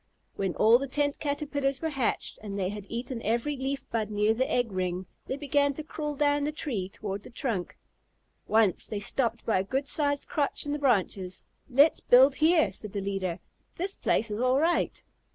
When all the Tent Caterpillars were hatched, and they had eaten every leaf bud near the egg ring, they began to crawl down the tree toward the trunk. Once they stopped by a good sized crotch in the branches. "Let's build here," said the leader; "this place is all right."